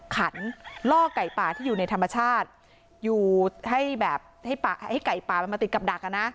ขันล่อไก่ป่าที่อยู่ในธรรมชาติอยู่ให้แบบให้ไก่ป่ามันมาติดกับดักอ่ะนะ